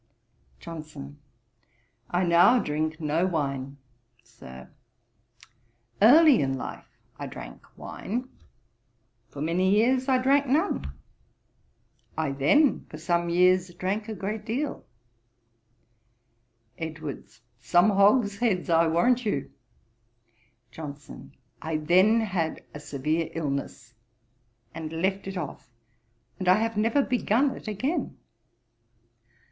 JOHNSON. 'I now drink no wine, Sir. Early in life I drank wine: for many years I drank none. I then for some years drank a great deal.' EDWARDS. 'Some hogsheads, I warrant you.' JOHNSON. 'I then had a severe illness, and left it off, and I have never begun it again.